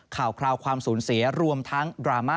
ข่าวคราวความสูญเสียรวมทั้งดราม่า